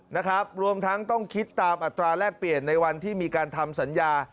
นะครับรวมทั้งต้องคิดตามอัตราแลกเปลี่ยนในวันที่มีการทำสัญญา